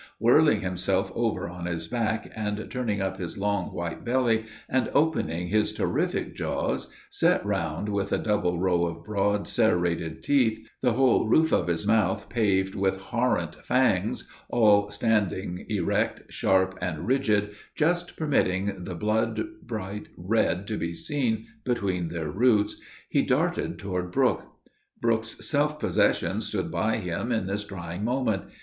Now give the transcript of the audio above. Whirling himself over on his back, and turning up his long, white belly, and opening his terrific jaws, set round with a double row of broad, serrated teeth, the whole roof of his mouth paved with horrent fangs, all standing erect, sharp, and rigid, just permitting the blood bright red to be seen between their roots, he darted toward Brook. Brook's self possession stood by him in this trying moment.